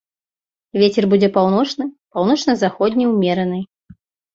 Вецер будзе паўночны, паўночна-заходні ўмераны.